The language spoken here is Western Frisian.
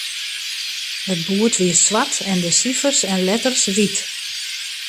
It boerd wie swart en de sifers en letters wyt.